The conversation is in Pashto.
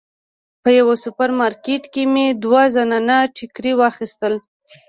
په یوه سوپر مارکیټ کې مې دوه زنانه ټیکري واخیستل.